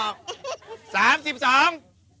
ไม่ออก